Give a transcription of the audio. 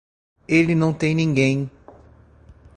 Ele não tem ninguém